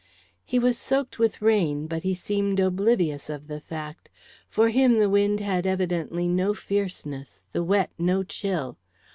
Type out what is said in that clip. He was soaked with the rain, but he seemed oblivious of the fact. For him the wind had evidently no fierceness, the wet no chill.